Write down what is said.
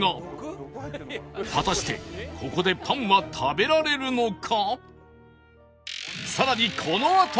果たしてここでパンは食べられるのか？